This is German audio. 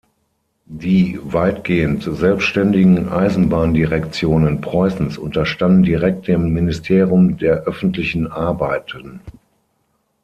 Die weitgehend selbständigen Eisenbahndirektionen Preußens unterstanden direkt dem Ministerium der öffentlichen Arbeiten.